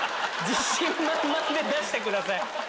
自信満々で出してください。